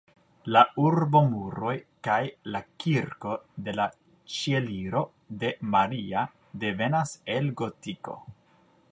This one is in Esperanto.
La urbomuroj kaj la kirko de la Ĉieliro de Maria devenas el gotiko.